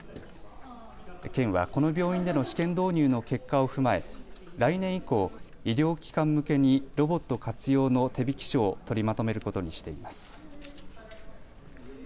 県はこの病院での試験導入の結果を踏まえ来年以降、医療機関向けにロボット活用の手引書を取りまとめることにしています。